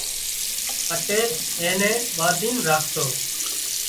پٽيل اين نين ٻانڌين راکتو